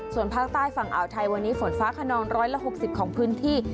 ส่วนภาคใต้ฝั่งอ่าวไทยวันนี้ฝนฟ้าขนอง๑๖๐ของพื้นที่